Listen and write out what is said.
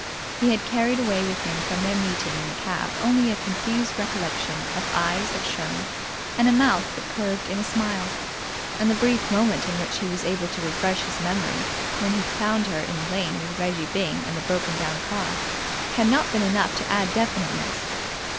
He had carried away with him from their meeting in the cab only a confused recollection of eyes that shone and a mouth that curved in a smile; and the brief moment in which he was able to refresh his memory, when he found her in the lane with Reggie Byng and the broken down car, had not been enough to add definiteness.